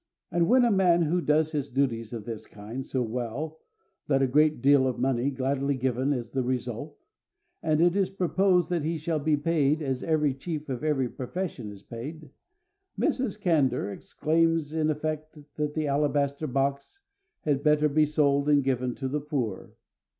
And when a man who does his duties of this kind so well that a great deal of money gladly given is the result, and it is proposed that he shall be paid as every chief of every profession is paid, Mrs. Candour exclaims in effect that the alabaster box had better be sold and given to the poor.